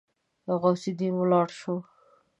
غوث الدين ولاړ شو.